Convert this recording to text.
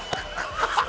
「ハハハハ！」